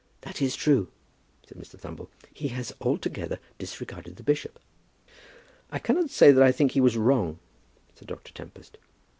"That is true," said Mr. Thumble. "He altogether disregarded the bishop." "I cannot say that I think he was wrong," said Dr. Tempest.